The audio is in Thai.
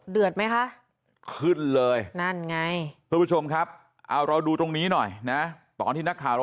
เหลือดไหมคะ